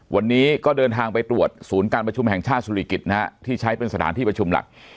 วันนี้ก็เดินทางไปตรวจศูนย์การประชุมแห่งชาติสุริกิจนะฮะที่ใช้เป็นสถานที่ประชุมหลัก